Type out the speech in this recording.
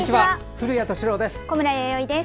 古谷敏郎です。